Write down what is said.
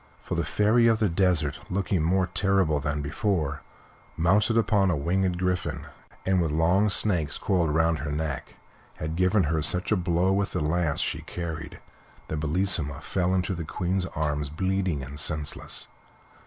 For the Fairy of the Desert, looking more terrible than before, mounted upon a winged griffin, and with long snakes coiled round her neck, had given her such a blow with the lance she carried that Bellissima fell into the Queen's arms bleeding and senseless.